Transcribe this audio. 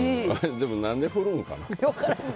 でも何で振るんかな。